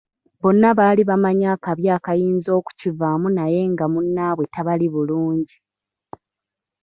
Bonna baali bamanyi akabi akayinza okukivaamu naye nga munnaabwe tabali bulungi.